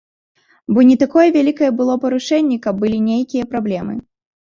Бо не такое вялікае было парушэнне, каб былі нейкія праблемы.